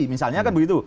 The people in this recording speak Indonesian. misalnya kan begitu